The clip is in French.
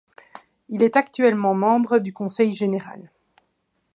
Il est actuellement membre du conseil général.